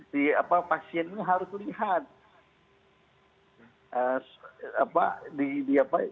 si pasien ini harus lihat